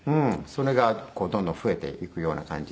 それがどんどん増えていくような感じ